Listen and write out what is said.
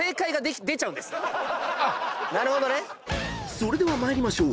［それでは参りましょう。